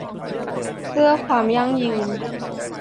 เพื่อความยั่งยืน